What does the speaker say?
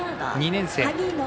２年生。